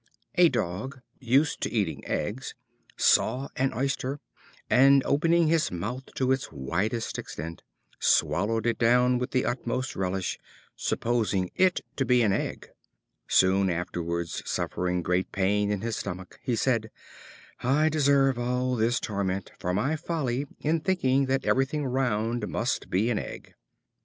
A Dog, used to eating eggs, saw an Oyster, and opening his mouth to its widest extent, swallowed it down with the utmost relish, supposing it to be an egg. Soon afterwards suffering great pain in his stomach, he said: "I deserve all this torment, for my folly in thinking that everything round must be an egg."